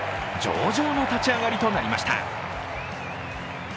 上々の立ち上がりとなりました。